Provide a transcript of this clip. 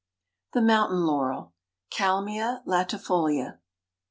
THE MOUNTAIN LAUREL. (_Kalmia latifolia.